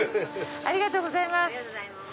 ありがとうございます。